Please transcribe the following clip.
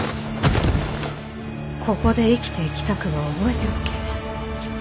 ここで生きていきたくば覚えておけ。